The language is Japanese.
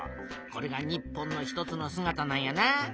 これが日本の一つのすがたなんやな。